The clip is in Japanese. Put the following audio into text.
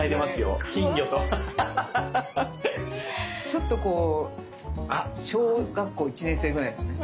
ちょっとこう小学校１年生ぐらいのね。